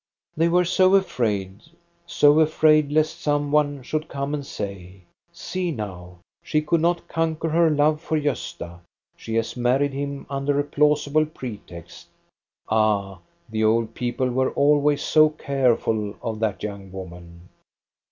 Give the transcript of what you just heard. They were so afraid, so afraid lest some one should come and say :'* See now, she could not con quer her love for Gosta ; she has married him under a plausible pretext." Ah, the old people were always so careful of that young woman